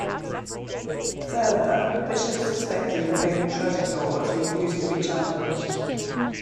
Further, bishops suspected of being traditores refused to be challenged.